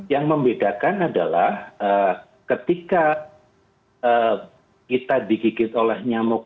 yang membedakan adalah ketika kita digigit oleh nyamuk